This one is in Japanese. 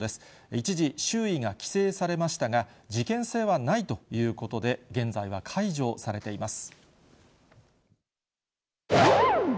一時、周囲が規制されましたが、事件性はないということで、現在は解除されています。